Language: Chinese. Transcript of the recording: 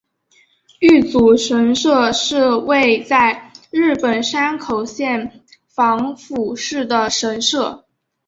玉祖神社是位在日本山口县防府市的神社。